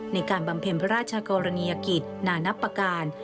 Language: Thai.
บำเพ็ญพระราชกรณียกิจนานับประการ